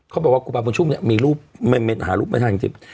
เขาบอกว่ากุบับบุญชุมมีรูปไม่มีอาหารรูปไม่ใช่จริง